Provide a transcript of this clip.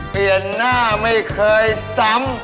เปลี่ยนหน้าไม่เคยซ้ำ